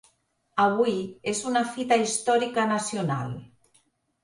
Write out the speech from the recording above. Avui és una fita històrica nacional.